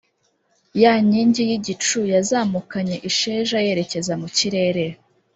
ya nkingi y’igicu yazamukanye isheja yerekeza mu kirere,